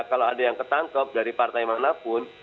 kalau ada yang ketangkep dari partai manapun